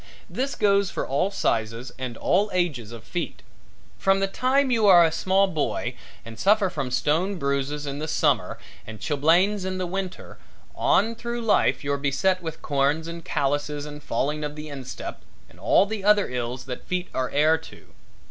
This goes for all sizes and all ages of feet. From the time you are a small boy and suffer from stone bruises in the summer and chilblains in the winter, on through life you're beset with corns and callouses and falling of the instep and all the other ills that feet are heir to.